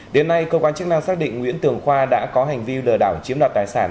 đến nay cơ quan chức năng xác định nguyễn tường khoa đã có hành vi lừa đảo chiếm đoạt tài sản